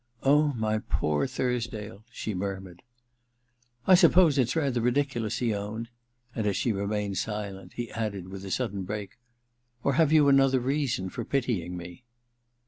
* Oh, my poor Thursdale !' she murmured. * I suppose it's rather ridiculous,' he owned ; and as she remained silent he added, with a sudden break — ^•Or have you another reason for pitying me